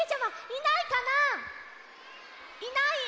いないか。